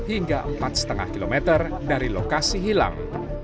hingga empat lima km dari lokasi hilang